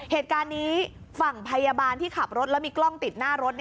เหตุการณ์นี้ฝั่งพยาบาลที่ขับรถแล้วมีกล้องติดหน้ารถ